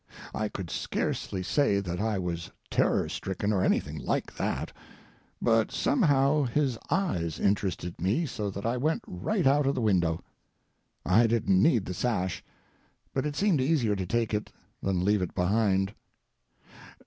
I could scarcely say that I was terror stricken or anything like that. But somehow his eyes interested me so that I went right out of the window. I didn't need the sash. But it seemed easier to take it than leave it behind.